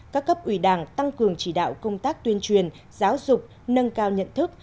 các cấp ủy đảng tăng cường chỉ đạo công tác tuyên truyền giáo dục nâng cao nhận thức